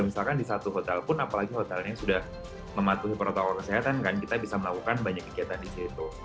misalkan di satu hotel pun apalagi hotelnya sudah mematuhi protokol kesehatan kan kita bisa melakukan banyak kegiatan di situ